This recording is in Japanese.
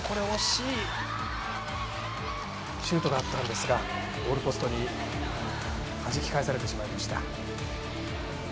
惜しいシュートがあったんですがゴールポストにはじき返されてしまいました。